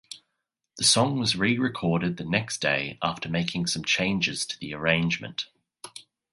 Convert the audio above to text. The song was re-recorded the next day after making some changes to the arrangement.